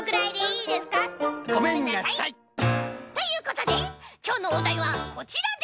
ごめんなさい！ということできょうのおだいはこちらです！